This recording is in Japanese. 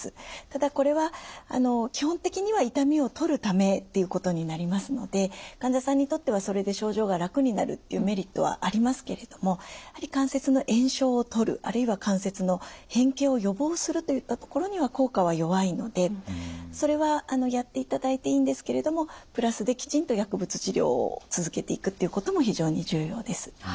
ただこれは基本的には痛みをとるためっていうことになりますので患者さんにとってはそれで症状が楽になるっていうメリットはありますけれどもやはり関節の炎症をとるあるいは関節の変形を予防するといったところには効果は弱いのでそれはやっていただいていいんですけれどもプラスできちんと薬物治療を続けていくっていうことも非常に重要です。